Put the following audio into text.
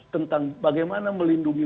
tentang bagaimana melindungi